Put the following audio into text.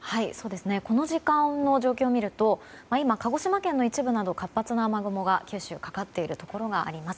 この時間の状況を見ると鹿児島県の一部など活発な雨雲が九州にかかっているところがあります。